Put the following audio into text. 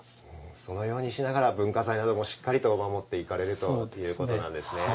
そのようにしながら文化財などもしっかり守っていくということなんですね。